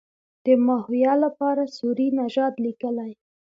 د ماهویه لپاره سوري نژاد لیکلی.